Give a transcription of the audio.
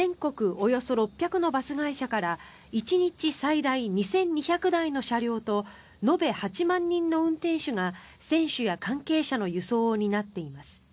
およそ６００のバス会社から１日最大２２００台の車両と延べ８万人の運転手が選手や関係者の輸送を担っています。